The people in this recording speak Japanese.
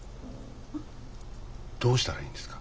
どうしたらいいんですか？